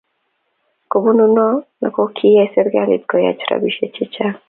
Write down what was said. Kobunuu noe ko kiyay serkalit koyaach robishe che chang.